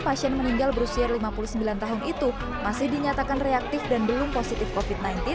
pasien meninggal berusia lima puluh sembilan tahun itu masih dinyatakan reaktif dan belum positif covid sembilan belas